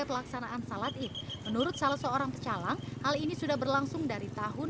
pelaksanaan salat id menurut salah seorang pecalang hal ini sudah berlangsung dari tahun